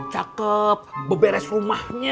cakep beberes rumahnya